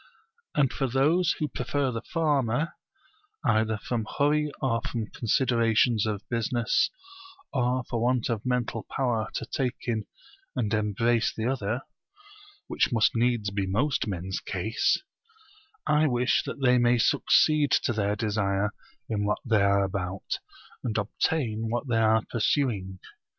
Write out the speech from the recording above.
And for those who prefer the former, either from hurry or from considerations of business or for want of mental power to take in and embrace the other (which must needs be most men's case), I wish that they may succeed to their desire in what they are about, and obtain what they are pursuing.